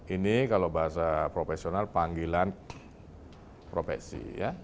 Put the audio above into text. ini kalau bahasa profesional panggilan profesi ya